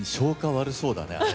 悪そうだね